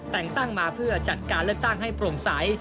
แต่งตั้งมาเพื่อจัดการเลือกตั้งให้โปร่งใส